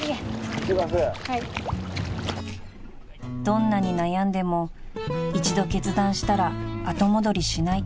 ［どんなに悩んでも一度決断したら後戻りしない］